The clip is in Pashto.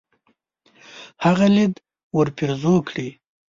هغه ليد ورپېرزو کړي.